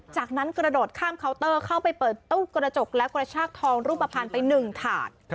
จากนั้นกระโดดข้ามเคาน์เตอร์เข้าไปเปิดตู้กระจกแล้วกระชากทองรูปภัณฑ์ไป๑ถาด